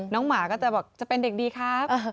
หมาก็จะบอกจะเป็นเด็กดีครับ